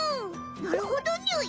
なるほどにゅい！